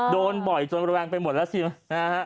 โดนบ่อยจนระแวงไปหมดแล้วสินะฮะ